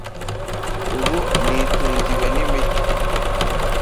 Ubu nitungiwe n’imiti.